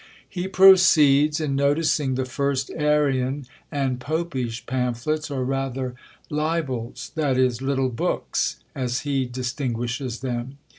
He proceeds in noticing the first Arian and Popish pamphlets, or rather libels, i. e. little books, as he distinguishes them.